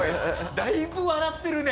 だいぶ笑ってるね。